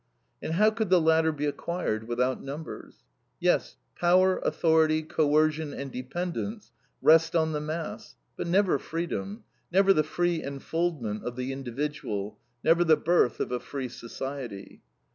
And how could the latter be acquired without numbers? Yes, power, authority, coercion, and dependence rest on the mass, but never freedom, never the free unfoldment of the individual, never the birth of a free society.